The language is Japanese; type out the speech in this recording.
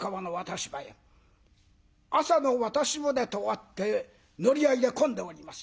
朝の渡し船とあって乗り合いで混んでおります。